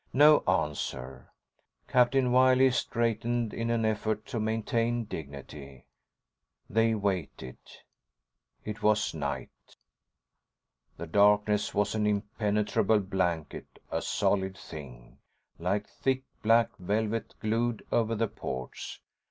No answer. Captain Wiley straightened in an effort to maintain dignity. They waited.... ———— It was night. The darkness was an impenetrable blanket, a solid thing, like thick black velvet glued over the ports.